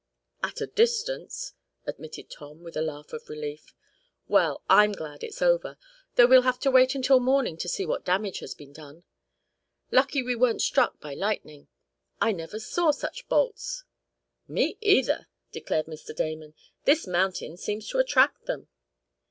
"At a distance," admitted Tom, with a laugh of relief. "Well, I'm glad it's over, though we'll have to wait until morning to see what damage has been done. Lucky we weren't struck by lightning. I never saw such bolts!" "Me, either!" declared Mr. Damon. "This mountain seems to attract them."